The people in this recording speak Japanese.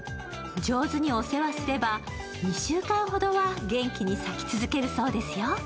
上手にお世話すれば１週間ほどは元気に咲き続けるそうですよ。